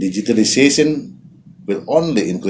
digitalisasi hanya akan meningkatkan